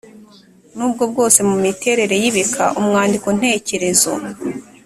n’ubwo bwose mu miterere y’ibika umwandiko ntekerezo